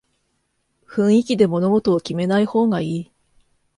雰囲気で物事を決めない方がいい